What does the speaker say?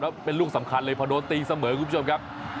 และเป็นลูกสำคัญเลยพอโดนตีเสมอนะครับ